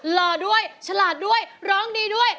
หล่อด้วยฉลาดด้วยร้องดีด้วย